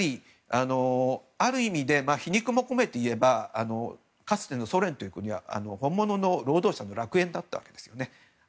ある意味で皮肉も込めて言えばかつてのソ連という国は本物の労働者の楽園だったわけですよね。